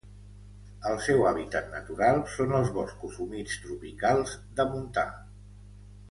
El seu hàbitat natural són els boscos humits tropicals de montà.